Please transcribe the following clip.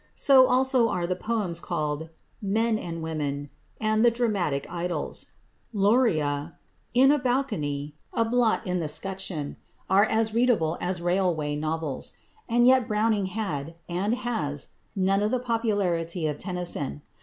So also are the poems called "Men and Women," and the "Dramatic Idyls." "Luria," "In a Balcony," "A Blot in the 'Scutcheon," are as readable as railway novels. And yet Browning had, and has, none of the popularity of Tennyson.